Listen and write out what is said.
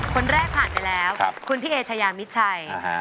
คนแรกผ่านไปแล้วคุณพี่เอชายามิดชัย